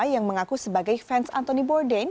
yang mengaku sebagai fans anthony borden